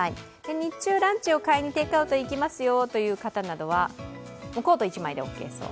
日中、ランチに買いにテイクアウトいきますよという方にはコート一枚でオーケーそう。